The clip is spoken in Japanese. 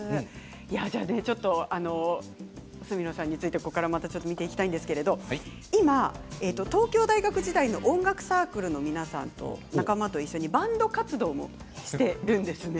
角野さんについてここからまた見ていきたいんですけど今、東京大学時代の音楽サークルの皆さんと仲間と一緒にバンド活動もしているんですね。